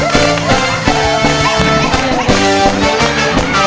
เต้นสักพักนึง